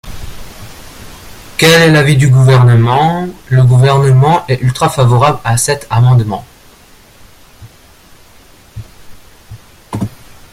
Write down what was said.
Quel est l’avis du Gouvernement ? Le Gouvernement est ultra-favorable à cet amendement.